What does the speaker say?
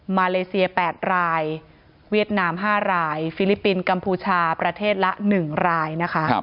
มาเลเซีย๘รายเวียดนาม๕รายฟิลิปปินส์กัมพูชาประเทศละ๑รายนะคะ